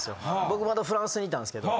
僕まだフランスにいたんですけど。